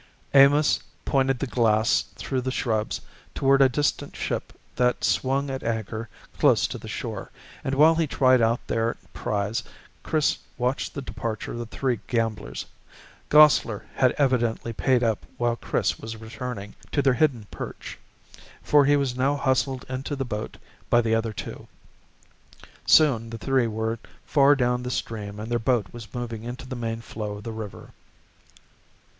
Amos pointed the glass through the shrubs toward a distant ship that swung at anchor close to the shore, and while he tried out their prize, Chris watched the departure of the three gamblers. Gosler had evidently paid up while Chris was returning to their hidden perch, for he was now hustled into the boat by the other two. Soon the three were far down the stream and their boat was moving into the main flow of the river.